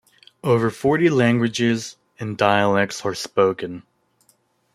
Over forty languages and dialects are spoken.